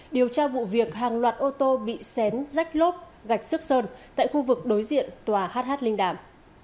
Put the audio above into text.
điều tra vụ việc hàng loạt ô tô bị xén rách lốp gạch rước sơn tại khu vực đối diện tòa hh linh đàm